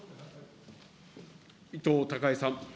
伊藤孝恵さん。